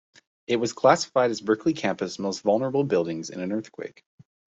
It was classified as Berkeley campus' most vulnerable buildings in an earthquake.